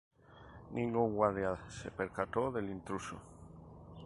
Ningún guardia se percató del intruso.